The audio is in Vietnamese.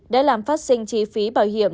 đã làm phát sinh chi phí bảo hiểm